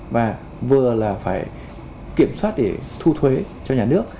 và vừa là phải kiểm soát để thu thuế cho nhà nước